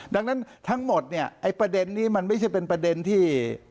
ดังนั้นทั้งหมดเนี่ยไอ้ประเด็นนี้มันไม่ใช่เป็นประเด็นที่